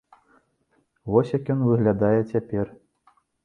Вось як ён выглядае цяпер.